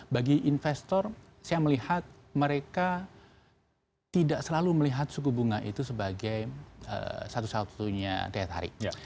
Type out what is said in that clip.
bagi investor saya melihat mereka tidak selalu melihat suku bunga itu sebagai satu satunya daya tarik